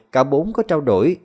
cả bốn có trao đổi